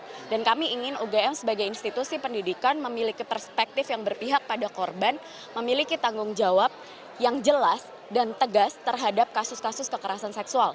pemerintah dan kami ingin ugm sebagai institusi pendidikan memiliki perspektif yang berpihak pada korban memiliki tanggung jawab yang jelas dan tegas terhadap kasus kasus kekerasan seksual